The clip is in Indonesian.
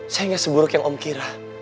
saya nggak seburuk yang om kira